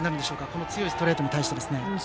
この強いストレートに対して。